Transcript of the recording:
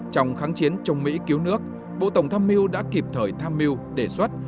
trong kháng chiến chống mỹ cứu nước bộ tổng tham miu đã kịp thời tham miu đề xuất